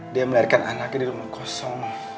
dia melahirkan anaknya di rumah kosong